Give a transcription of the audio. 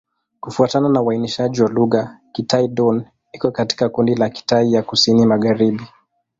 Kufuatana na uainishaji wa lugha, Kitai-Dón iko katika kundi la Kitai ya Kusini-Magharibi.